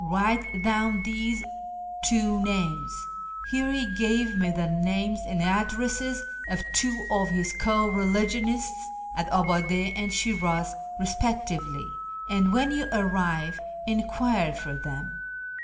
Write down these two names (here he gave me the names and addresses of two of his co religionists at Abade and Shi'raz respectively), and when you arrive enquire for them.